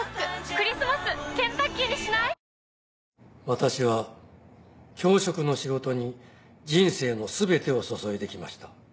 「私は教職の仕事に人生の全てを注いできました」